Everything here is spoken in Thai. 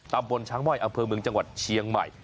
ตำบลช้างม่อยอำเภอเมืองจังหวัดเชียงใหม่